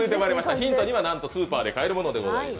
ヒント２はスーパーで買えるものです。